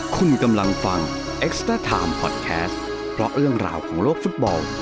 คุณกำลังฟังเอ็กซ์เตอร์ไทม์พอดแคสต์เพราะเรื่องราวของโลกฟุตบอล